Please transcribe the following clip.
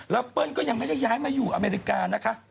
แล้วเปิ้ลก็ยังไม่ได้ย้ายมาอยู่อเมริกานะคะ